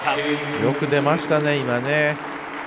よく出ましたね、今ね。